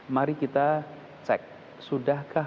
mari kita cek sudahkah